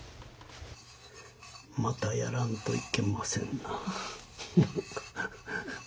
またやらんといけませんな。